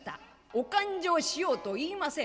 お勘定しようと言いません。